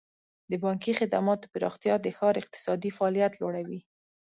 د بانکي خدماتو پراختیا د ښار اقتصادي فعالیت لوړوي.